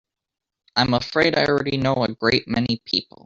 I'm afraid I already know a great many people.